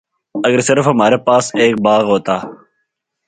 اگر صرف ہمارے پاس ایک باغ ہوتا